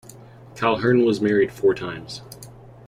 Calhern was married four times.